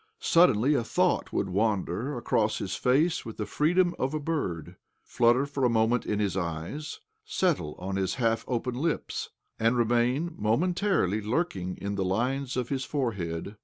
Suddenly a thought would wander across his face with the freedom of a bird, flutter for a moment in his eyes, settle on his half opened lips, and remain moihentarily lurking in the lines of his fore head.